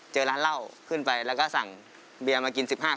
เจอร้านเหล้าขึ้นไปแล้วก็สั่งเบียร์มากิน๑๕คน